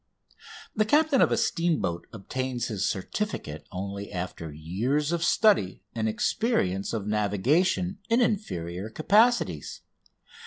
The captain of a steamboat obtains his certificate only after years of study and experience of navigation in inferior capacities.